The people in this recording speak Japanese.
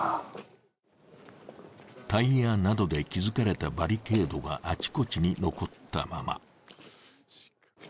タイヤなどで築かれたバリケードがあちこちに残ったまま。